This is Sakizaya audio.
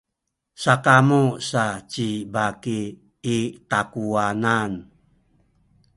sakamu sa ci baki i takuwanan.